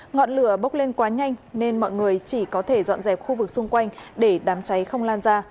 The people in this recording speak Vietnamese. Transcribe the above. ngọn lửa bốc lên quá nhanh nên mọi người chỉ có thể dọn dẹp khu vực xung quanh để đám cháy không lan ra